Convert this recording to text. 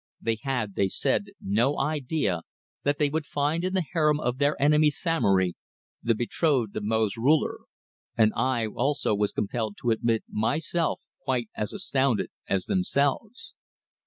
They had, they said, no idea that they would find in the harem of their enemy Samory the betrothed of Mo's ruler, and I also was compelled to admit myself quite as astounded as themselves.